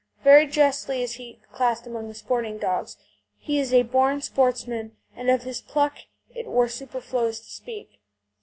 Very justly is he classed among the sporting dogs. He is a born sportsman, and of his pluck it were superfluous to speak.